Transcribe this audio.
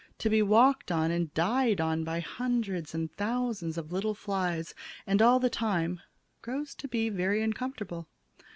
To be walked on and died on by hundreds and hundreds of little flies, and all the time, grows to be very uncomfortable.